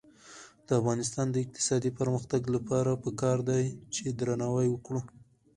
د افغانستان د اقتصادي پرمختګ لپاره پکار ده چې درناوی وکړو.